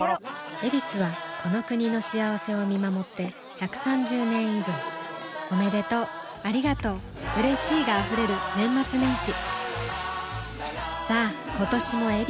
「ヱビス」はこの国の幸せを見守って１３０年以上おめでとうありがとううれしいが溢れる年末年始さあ今年も「ヱビス」で